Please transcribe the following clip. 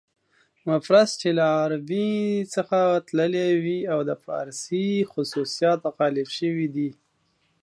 مفرس چې له عربي څخه تللي وي او د فارسي خصوصیات غالب شوي دي.